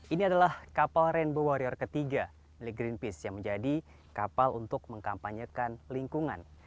ini adalah kapal rainbow warrior ketiga milik greenpeace yang menjadi kapal untuk mengkampanyekan lingkungan